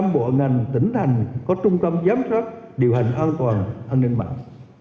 một trăm linh bộ ngành tỉnh thành có trung tâm giám sát điều hành an toàn an ninh mạng